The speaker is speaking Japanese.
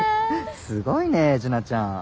すごいね樹奈ちゃん。